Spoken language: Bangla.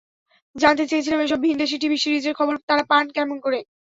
জানতে চেয়েছিলাম এসব ভিনদেশি টিভি সিরিজের খবর তাঁরা পান কেমন করে।